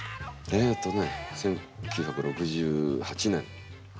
えっとね１９６８年。